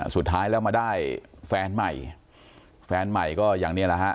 สุดท้ายแล้วมาได้แฟนใหม่แฟนใหม่ก็อย่างนี้แหละฮะ